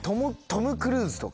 トム・クルーズ。